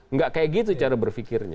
nggak kayak gitu cara berpikirnya